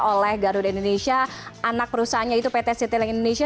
oleh garuda indonesia anak perusahaannya itu pt citylink indonesia